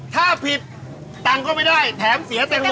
ถ้าผิดตังค์ก็ไม่ได้แถมเสียแตงโม